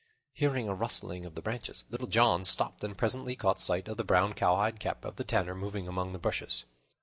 Hearing a rustling of the branches, Little John stopped and presently caught sight of the brown cowhide cap of the Tanner moving among the bushes.